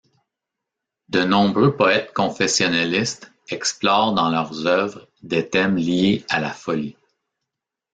De nombreux poètes confessionnalistes explorent dans leurs œuvres des thèmes liés à la folie.